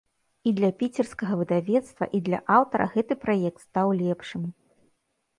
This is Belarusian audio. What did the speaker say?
І для піцерскага выдавецтва, і для аўтара гэты праект стаў лепшым.